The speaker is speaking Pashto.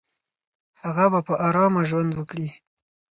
هغه به په آرامه ژوند وکړي.